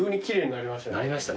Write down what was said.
なりましたね。